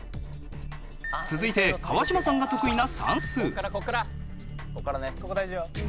続いて川島さんが得意な算数。